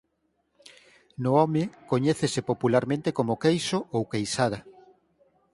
No home coñécese popularmente como "queixo" ou "queixada".